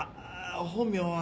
本名は。